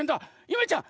ゆめちゃん